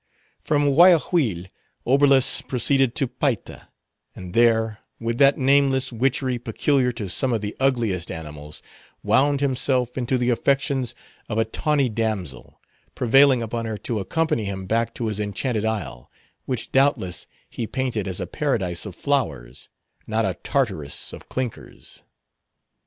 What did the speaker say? From Guayaquil Oberlus proceeded to Payta; and there, with that nameless witchery peculiar to some of the ugliest animals, wound himself into the affections of a tawny damsel; prevailing upon her to accompany him back to his Enchanted Isle; which doubtless he painted as a Paradise of flowers, not a Tartarus of clinkers.